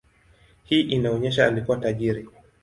Hii inaonyesha alikuwa tajiri.